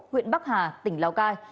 huyện bắc hà tỉnh lào cai